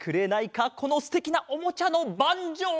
このすてきなおもちゃのバンジョー！